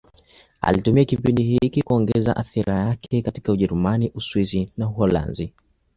Alitumia kipindi hiki kuongeza athira yake katika Ujerumani, Uswisi na Uholanzi.